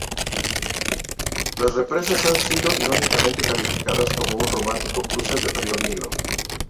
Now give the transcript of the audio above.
Las represas han sido irónicamente calificadas como un romántico cruce del río Nilo.